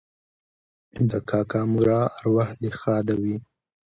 د کاکا مراد اوراح دې ښاده وي